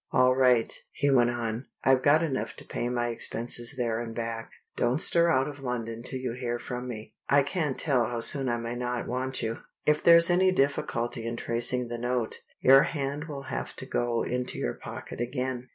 "All right!" he went on. "I've got enough to pay my expenses there and back. Don't stir out of London till you hear from me. I can't tell how soon I may not want you. If there's any difficulty in tracing the note, your hand will have to go into your pocket again.